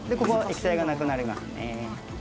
ここ液体がなくなりますね。